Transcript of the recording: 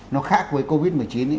nó khác với covid một mươi chín ấy